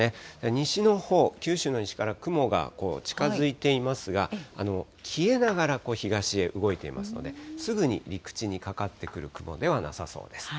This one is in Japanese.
西のほう、九州の西から雲が近づいていますが、消えながら東へ動いていますので、すぐに陸地にかかってくる雲ではなさそうです。